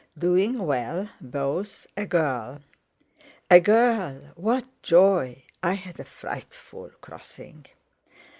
"Doing well—both. A girl!" "A girl! What joy! I had a frightful crossing!"